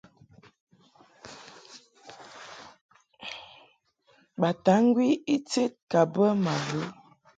Bataŋgwi ited ka bə ma ghə.